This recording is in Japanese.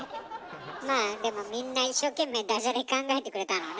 まあでもみんな一生懸命だじゃれ考えてくれたのね。